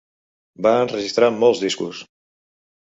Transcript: Va enregistrar molts discos.